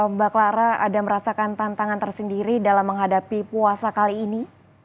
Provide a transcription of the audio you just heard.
mbak clara ada merasakan tantangan tersendiri dalam menghadapi puasa kali ini